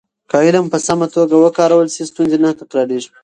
که علم په سمه توګه وکارول شي، ستونزې نه تکرارېږي.